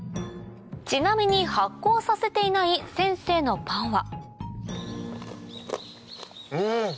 ちなみに発酵させていない先生のパンはん！